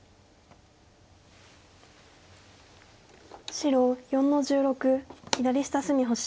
白４の十六左下隅星。